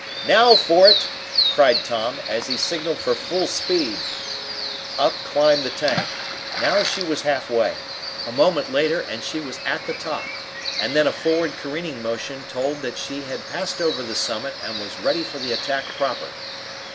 "Now for it!" cried Tom, as he signaled for full speed. Up climbed the tank. Now she was halfway. A moment later, and she was at the top, and then a forward careening motion told that she had passed over the summit and was ready for the attack proper.